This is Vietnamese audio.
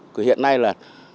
của hiện nay là